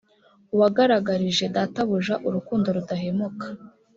wagaragarije databuja urukundo rudahemuka